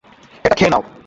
এটা খেয়ে নাও।